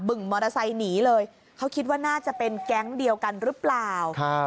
มอเตอร์ไซค์หนีเลยเขาคิดว่าน่าจะเป็นแก๊งเดียวกันหรือเปล่าครับ